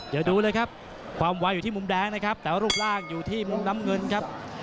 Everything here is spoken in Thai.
เดี๋ยวดูเลยครับความไวอยู่ที่มุมแดงนะครับแต่รูปร่างอยู่ที่มุมน้ำเงินครับ